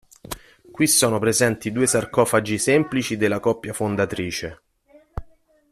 Qui sono presenti due sarcofagi semplici della coppia fondatrice.